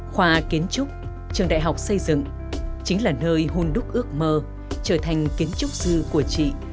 khoa kiến trúc trường đại học xây dựng chính là nơi hôn đúc ước mơ trở thành kiến trúc sư của chị